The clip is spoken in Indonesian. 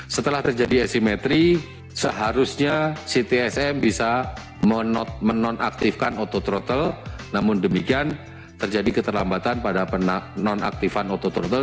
setelah terjadi esimetri seharusnya ctsm bisa menonaktifkan autotrottle namun demikian terjadi keterlambatan pada penonaktifan auto trottle